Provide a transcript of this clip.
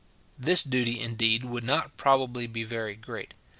This duty, indeed, would not probably be very great.